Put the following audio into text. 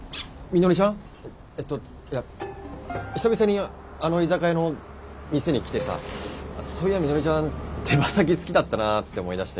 えっといや久々にあの居酒屋の店に来てさそういやみのりちゃん手羽先好きだったなって思い出して。